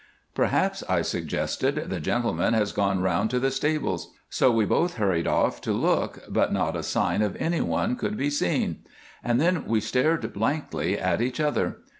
'Perhaps,' I suggested, 'the gentleman has gone round to the stables'; so we both hurried off to look, but not a sign of anyone could be seen, and we stared blankly at each other.